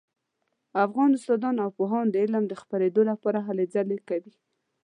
افغان استادان او پوهان د علم د خپریدو لپاره هلې ځلې کوي